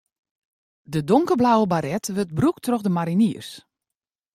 De donkerblauwe baret wurdt brûkt troch de mariniers.